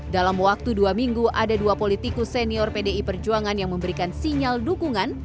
dalam waktu dua minggu ada dua politikus senior pdi perjuangan yang memberikan sinyal dukungan